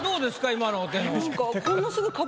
今のお手本。